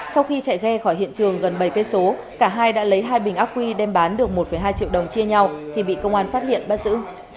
sau khi chạy ghe khỏi hiện trường gần bảy km cả hai đã lấy hai bình ác quy đem bán được một hai triệu đồng chia nhau thì bị công an phát hiện bắt giữ